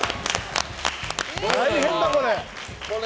大変だ、これ。